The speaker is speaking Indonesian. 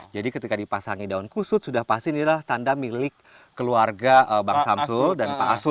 jadi ketika dipasangin daun kusut sudah pasti inilah tanda milik keluarga bang samsul dan pak asud